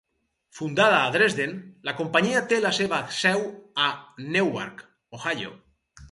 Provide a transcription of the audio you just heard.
Fundada a Dresden, la companyia té la seva seu a Newark, Ohio.